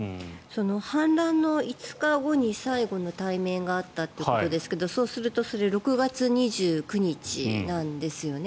反乱の５日後に最後の対面があったということですがそうするとそれが６月２９日なんですよね。